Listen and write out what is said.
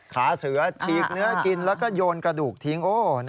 ขาเสือฉีกเนื้อกินและยนต์กระดูกทิ้ง